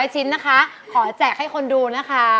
ชิ้นนะคะขอแจกให้คนดูนะคะ